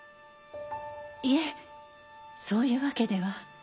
いえそういうわけでは。